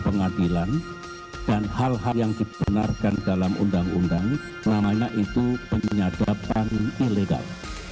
pengadilan dan hal hal yang dibenarkan dalam undang undang namanya itu penyadapan ilegal